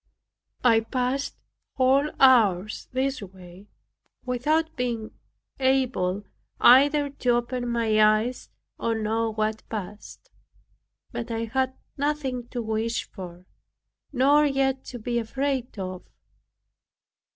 I passed whole hours this way, without being able either to open my eyes or know what passed; but I had nothing to wish for, nor yet to be afraid of.